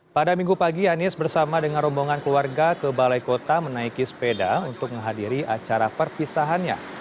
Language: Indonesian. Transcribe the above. pada minggu pagi anies bersama dengan rombongan keluarga ke balai kota menaiki sepeda untuk menghadiri acara perpisahannya